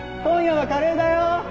今夜はカレーだよ！